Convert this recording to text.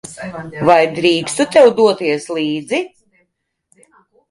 Vai drīkstu tev doties līdzi?